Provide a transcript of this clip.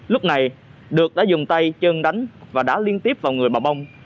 lúc này được đã dùng tay chân đánh và đã liên tiếp vào người bà bông